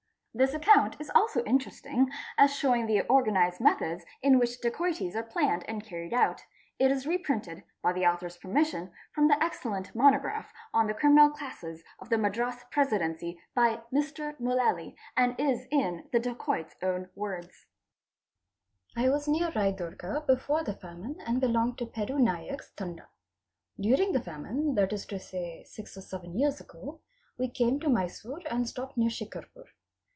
This account is also interesting as showing the organised methods in which dacoities are planned and carried out. It is reprinted, by the author's permission, from the excellent monograph ~ on the criminal classes of the Madras Presidency by Mr. Mullaly and — is in the dacoit's own words 129), ; ''T was near Raidurga before the famine and belonged to Peru Naik's © Tanda. During the famine, that is to say six or seven years ago, we | came to Mysore and stopped near Shicarpur.